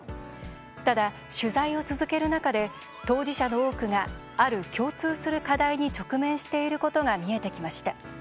ただ、取材を続ける中で当事者の多くがある共通する課題に直面していることが見えてきました。